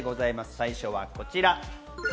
最初はこちら。